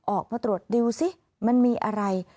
ออกมาตรวจดูสิมันมีอะไร